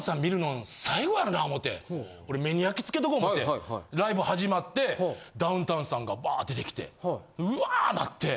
俺目に焼きつけとこう思てライブ始まってダウンタウンさんがバーッ出てきてウワーッなって。